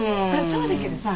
そうだけどさ。